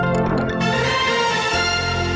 ไม่ใช่เกมเลย